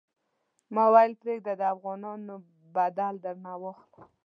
ما ویل پرېږده د افغانانو بدل درنه واخلم.